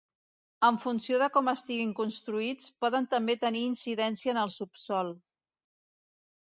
En funció de com estiguin construïts, poden també tenir incidència en el subsòl.